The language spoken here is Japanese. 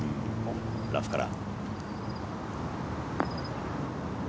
ラフから。